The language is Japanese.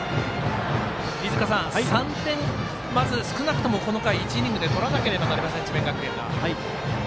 ３点、まず少なくとも１イニングで取らなければいけません、智弁学園は。